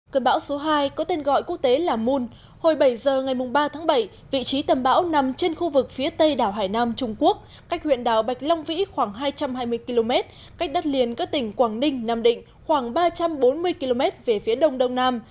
cơn bão số hai có tên gọi quốc tế là moon hồi bảy giờ ngày ba tháng bảy vị trí tầm bão nằm trên khu vực phía tây đảo hải nam trung quốc cách huyện đảo bạch long vĩ khoảng hai trăm hai mươi km cách đất liền các tỉnh quảng ninh nam định khoảng ba trăm bốn mươi km về phía đông đông nam